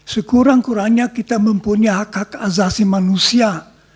sekurang kurangnya kita mempunyai hak hak azasi manusia